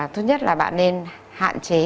tốt nhất là bạn nên hạn chế